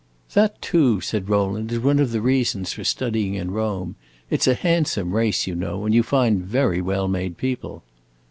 "That too," said Rowland, "is one of the reasons for studying in Rome. It 's a handsome race, you know, and you find very well made people."